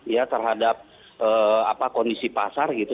ya terhadap kondisi pasar gitu